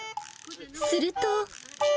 すると。